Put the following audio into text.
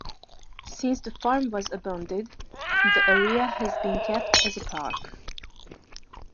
Since the farm was abandoned, the area has been kept as a park.